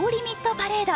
パレード。